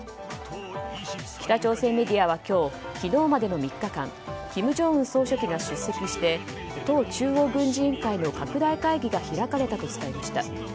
北朝鮮メディアは今日昨日までの３日間金正恩総書記が出席して党中央軍事委員会の拡大会議が開かれたと伝えました。